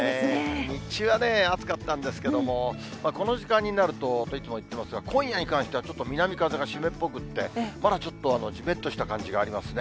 日中はね、暑かったんですけど、この時間になると、といつも言ってますが、今夜に関しては、南風が湿っぽくて、まだちょっとじめっとした感じがありますね。